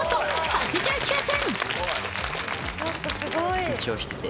８９点。